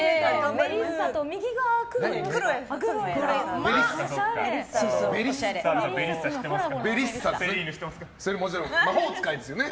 メリッサと右側はクロエですね。